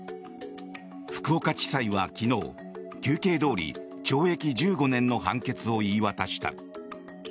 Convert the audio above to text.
福岡地裁は昨日、求刑どおり懲役１５年の判決を言い渡した。